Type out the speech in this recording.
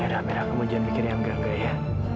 ya udah amira kamu jangan mikir yang gangga ya